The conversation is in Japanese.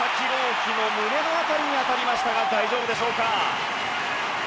希の胸の辺りに当たりましたが大丈夫でしょうか？